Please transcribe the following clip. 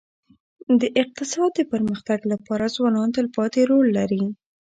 د اقتصاد د پرمختګ لپاره ځوانان تلپاتي رول لري.